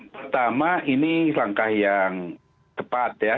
pertama ini langkah yang tepat ya